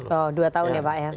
oh dua tahun ya pak ya